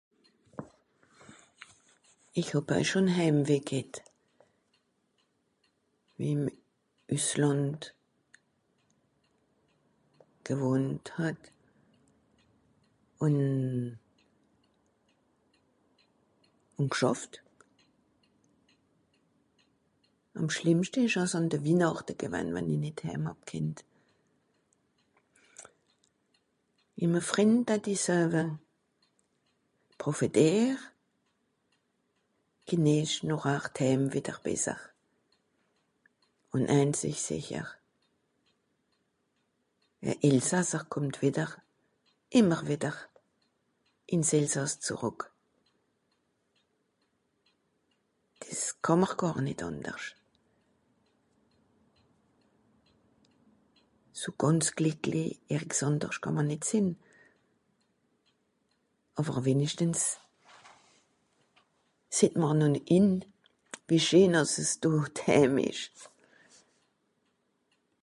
Ìch hàb oe schùn Häämweh ghet, ìm üsslànd gewohnt hàb. Ùn... ùn gschàfft. Àm schlìmmschte ìsch àss àn de Wihnàchte gewann, wenn i nìt hääm hàb kennt. Ìm e frìnd datt i soewe, profìtìer, genìesch nochhar d'hääm wìdder besser. Un èèns ìsch sìcher : e Elsässer kùmmt wìdder... ìmmer wìdder ìns Elsàss zerrùck. Dìs kàà'mr gàr nìt àndersch. So gànz glìckli (...) àndersch kàà'mr nìt sìnn. Àwer wenischtens sìeht mr (...), wie scheen àss es dort hääm ìsch.